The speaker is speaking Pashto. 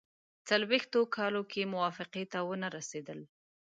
څلوېښتو کالو کې موافقې ته ونه رسېدل.